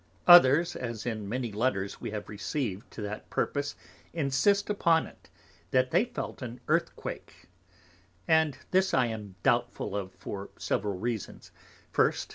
Others, as in many Letters we have received to that purpose insist upon it, that they felt an Earthquake; and this I am doubtful of for several Reasons. 1st.